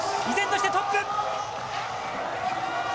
依然としてトップ。